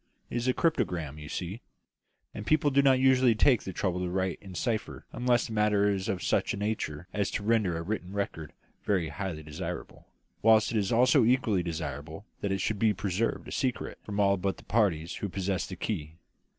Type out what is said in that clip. It is a cryptogram, you see, and people do not usually take the trouble to write in cipher unless the matter is of such a nature as to render a written record very highly desirable, whilst it is also equally desirable that it should be preserved a secret from all but the parties who possess the key.